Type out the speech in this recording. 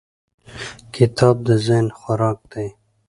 کتاب د ذهن خوراک دی.